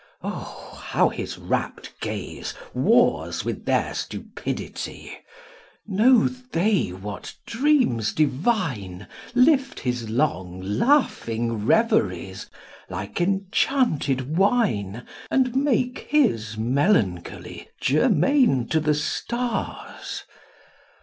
O, how his rapt gaze wars With their stupidity! Know they what dreams divine Lift his long, laughing reveries like enchaunted wine, And make his melancholy germane to the stars'?